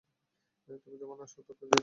তুমি তোমার নশ্বর প্রকৃতির পূজা করছ।